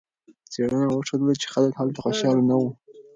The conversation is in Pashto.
څېړنو وښودله چې خلک هلته خوشحاله نه وو.